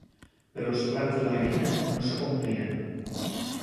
Però els plans de la reina no s'acompliren.